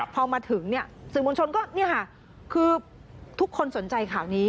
สิ่งมวลชนคือทุกคนสนใจข่าวนี้